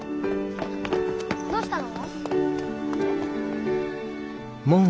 どうしたの？